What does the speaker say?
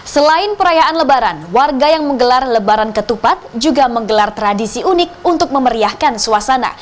selain perayaan lebaran warga yang menggelar lebaran ketupat juga menggelar tradisi unik untuk memeriahkan suasana